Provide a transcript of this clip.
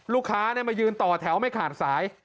ลูกค้ามายืนต่อแถวไม่ขาดสาย